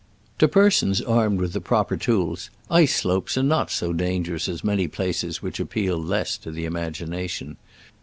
To persons armed with the proper tools, ice slopes are not so dangerous as many places which appeal less to the imagination.